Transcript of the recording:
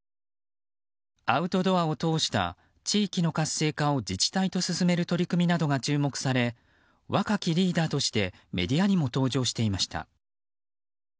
アウトドアを通した地域の活性化を自治体と進める取り組みなどが注目され、若きリーダーとしてメディアにも登場していました。